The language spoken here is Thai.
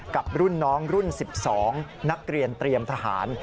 กับรุ่นน้องรุ่น๑๒นักเรียนเตรียมทหาร